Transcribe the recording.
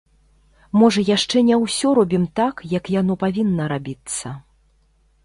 Можа яшчэ не ўсё робім так, як яно павінна рабіцца.